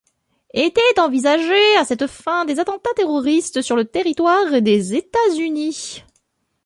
Étaient envisagés à cette fin des attentats terroristes sur le territoire des États-Unis.